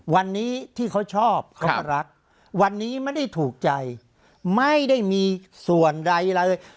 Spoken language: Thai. วันนี้ที่เขาชอบเขาก็รักวันนี้ไม่ได้ถูกใจไม่ได้มีส่วนใดอะไรเลย